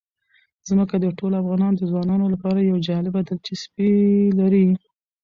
ځمکه د ټولو افغان ځوانانو لپاره یوه جالبه دلچسپي لري.